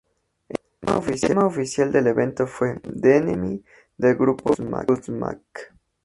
El tema oficial del evento fue "The Enemy", del grupo Godsmack.